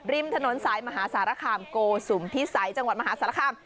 ริมถนนสายมหาสารคามโกสุมพิสัยจังหวัดมหาสารคาม